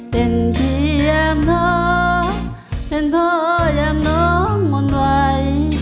เป็นเพียงยามท้องเป็นพ่อยามน้องมนต์ไหว